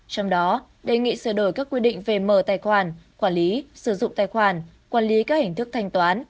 trong đó đề nghị sửa đổi các quy định về mở tài khoản quản lý sử dụng tài khoản quản lý các hình thức thanh toán